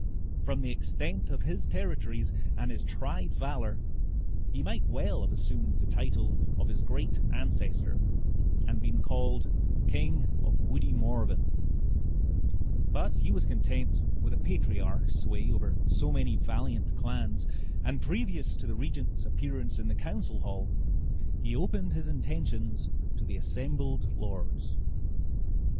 From the extent of his territories and his tried valor, he might well have assumed the title of his great ancestor, and been called King of Woody Morven, but he was content with a patriarch's sway over so many valiant clans; and previous to the regent's appearance in the council hall he opened his intentions to the assembled lords.